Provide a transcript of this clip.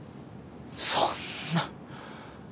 そんな。